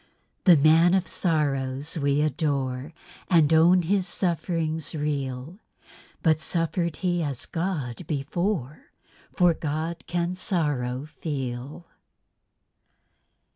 The "Man of Sorrows" we adore, And own His sufferings real; But suffered He as God before; For God can sorrow feel.